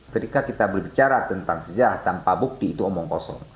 ketika kita berbicara tentang sejarah tanpa bukti itu omong kosong